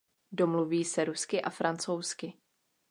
Domluví se rusky a francouzsky.